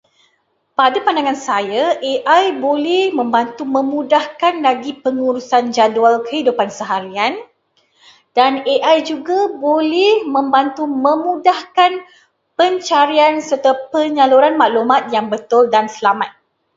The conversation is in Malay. Pada pandangan saya, AI boleh membantu memudahkan lagi pengurusan jadual kehidupan seharian dan AI juga boleh membantu memudahkan pencarian serta penyaluran maklumat yang betul dan selamat.